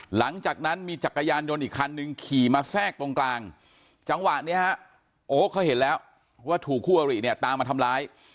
หลังจากนั้นมีจักรยานยนต์อีกคันนึงขี่มาแทรกตรงกลางจังหวะนี้ฮะโอ๊คเขาเห็นแล้วว่าถูกคู่อริเนี่ยตามมาทำร้าย